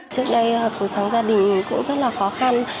trước đây cuộc sống gia đình cũng rất là khó khăn